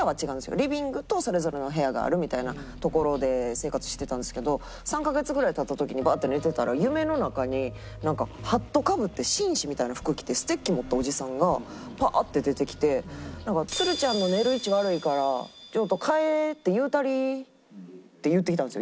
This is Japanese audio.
リビングとそれぞれの部屋があるみたいな所で生活してたんですけど３カ月ぐらい経った時にバーッて寝てたら夢の中になんかハットかぶって紳士みたいな服着てステッキ持ったおじさんがパッて出てきてなんか「つるちゃんの寝る位置悪いからちょっと“変え”って言うたり」って言ってきたんですよ